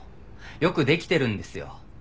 よくできてるんですよ。